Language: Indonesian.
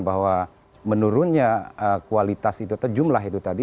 bahwa menurunnya kualitas itu atau jumlah itu tadi